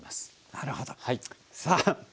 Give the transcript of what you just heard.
なるほど。さあ！